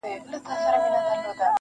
داسي يوه چا لكه سره زر تر ملا تړلى يم,